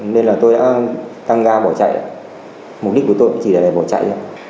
nên là tôi đã tăng ga bỏ chạy mục đích của tôi chỉ là để bỏ chạy